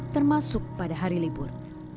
termasuk pada hari libur